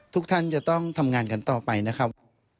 ทุกท่านจะต้องทำงานกันต่อไปนะครับ